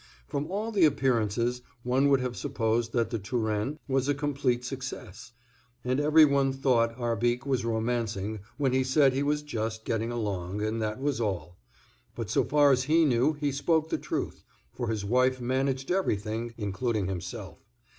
From all the appearances one would have supposed that The Turenne was a complete success, and every one thought Arbique was romancing when he said he was just getting along, and that was all. But so far as he knew he spoke the truth, for his wife managed everything, including himself.